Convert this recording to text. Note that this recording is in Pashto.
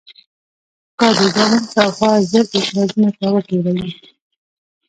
کادوګان شاوخوا زر ایکره ځمکه وپېرله.